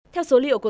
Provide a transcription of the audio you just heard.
theo số liệu